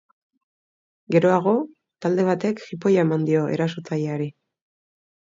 Geroago, talde batek jipoia eman dio erasotzaileari.